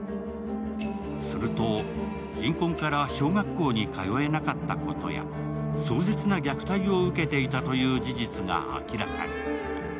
すると貧困から小学校へ通えなかったことや壮絶な虐待を受けていたという事実が明らかに。